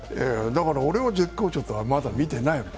だから、俺は絶好調とはまだ見てないもん。